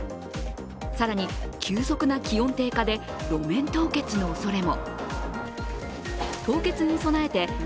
更に急速な気温低下が路面凍結のおそれも。